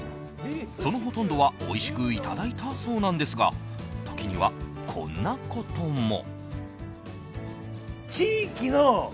そのほとんどは、おいしくいただいたそうなんですが時には、こんなことも。